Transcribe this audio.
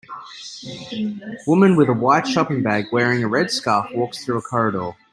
Women with a white shopping bag wearing a red scarf walks through a corridor.